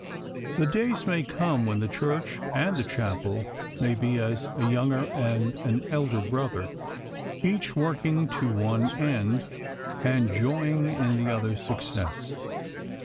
The days may come when the Church and the Chapel may be as a younger and an elder brother, each working to one end, and each joying in the other's success.